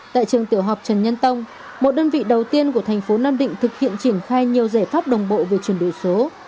tại trường tiểu học trần nhân tông một đơn vị đầu tiên của thành phố nam định thực hiện triển khai nhiều giải pháp đồng bộ về chuyển đổi số